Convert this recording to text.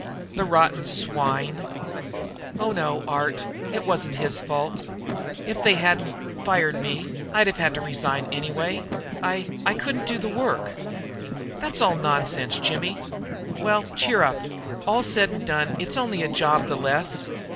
"The rotten swine!" "Oh no, Art, it wasn't his fault. If they hadn't fired me I'd have had to resign anyway. I I couldn't do the work." "That's all nonsense, Jimmy. Well, cheer up. All said and done, it's only a job the less.